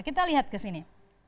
kita lihat kesini